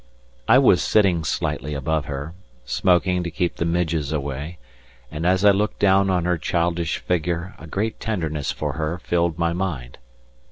I was sitting slightly above her, smoking to keep the midges away, and as I looked down on her childish figure a great tenderness for her filled my mind.